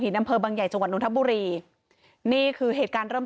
หินนำเพิร์บังใหญ่จังหวันนุธบุรีนี่คือเหตุการเริ่ม